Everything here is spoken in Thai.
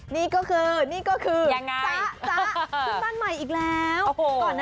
นี่ก็คือนี่ก็คือจ๊ะขึ้นบ้านใหม่อีกแล้ว